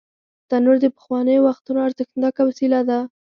تنور د پخوانیو وختونو ارزښتناکه وسیله ده